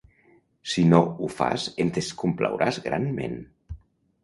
Si no ho fas ens descomplauràs granment.